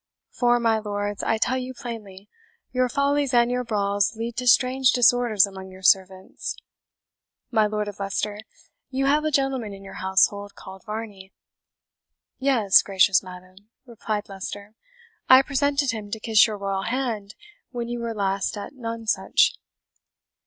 For, my lords, I tell you plainly, your follies and your brawls lead to strange disorders among your servants. My Lord of Leicester, you have a gentleman in your household called Varney?" "Yes, gracious madam," replied Leicester; "I presented him to kiss your royal hand when you were last at Nonsuch."